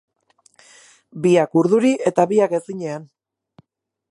Biak urduri eta biak ezinean.